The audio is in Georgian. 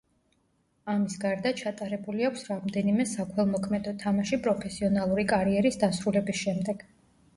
ამის გარდა, ჩატარებული აქვს რამდენიმე საქველმოქმედო თამაში პროფესიონალური კარიერის დასრულების შემდეგ.